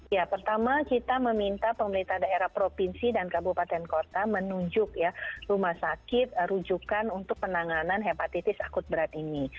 ya pertama kita meminta pemerintah daerah provinsi dan kabupaten kota menunjuk ya rumah sakit rujukan untuk penanganan hepatitis akut berat ini